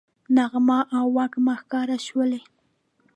نغمه او وږمه ښکاره شولې